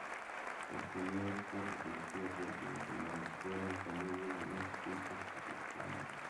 Las primeras cuatro películas de Ringo Lam fueron comedias no escritas por Lam.